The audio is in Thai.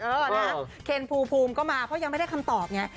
เออนะเคนภูมิก็มาเพราะยังไม่ได้คำตอบไง